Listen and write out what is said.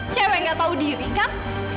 cewek gak tahu diri kan